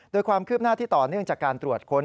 โดยความคืบหน้าที่ต่อเนื่องจากการตรวจค้น